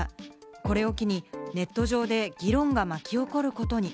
これを機にネット上で議論が巻き起こることに。